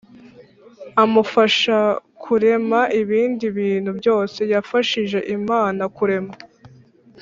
amufasha kurema ibindi bintu byose. yafashije imana kurema